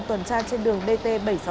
tuần tra trên đường dt bảy trăm sáu mươi